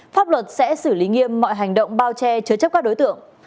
pháp luật sẽ xử lý nghiêm mọi hành động bao che chứa chấp các đối tượng